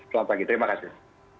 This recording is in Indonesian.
selamat pagi terima kasih